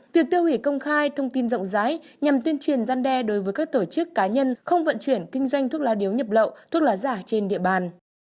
việc tiêu hủy công khai thông tin rộng rãi nhằm tuyên truyền gian đe đối với các tổ chức cá nhân không vận chuyển kinh doanh thuốc lá điếu nhập lậu thuốc lá giả trên địa bàn